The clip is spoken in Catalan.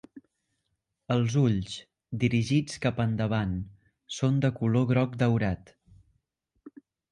Els ulls, dirigits cap endavant, són de color groc daurat.